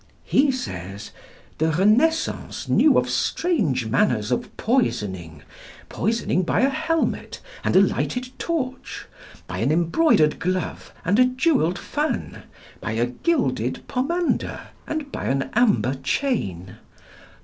He says: "The Renaissance knew of strange manners of poisoning poisoning by a helmet, and a lighted torch, by an embroidered glove, and a jewelled fan, by a gilded pomander, and by an amber chain.